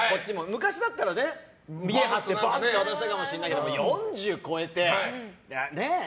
昔だったら見栄を張ってばって渡したかもしれないけど４０超えて、ねえ。